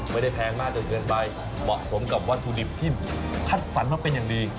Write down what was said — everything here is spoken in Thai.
แพงมากจนเกินไปเหมาะสมกับวัตถุดิบที่คัดสรรมาเป็นอย่างดี